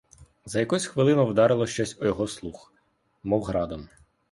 За якусь хвилину вдарило щось о його слух, мов градом.